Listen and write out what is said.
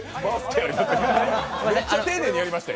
めっちゃ丁寧にやりましたよ。